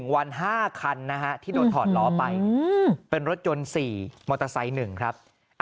๑วัน๕คันนะฮะที่โดนถอดล้อไปเป็นรถยนต์๔มอเตอร์ไซค์๑ครับ